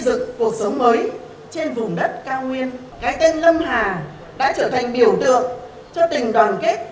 dựng cuộc sống mới trên vùng đất cao nguyên cái tên lâm hà đã trở thành biểu tượng cho tình đoàn kết